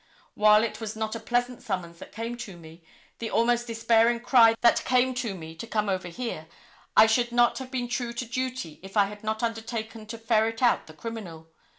While it was not a pleasant summons that came to me, the almost despairing cry that came to me to come over here, I should not have been true to duty if I had not undertaken to ferret out the criminal.